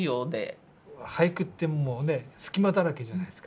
俳句ってもうね隙間だらけじゃないですか。